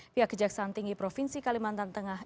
pihak kejaksaan tinggi provinsi kalimantan tengah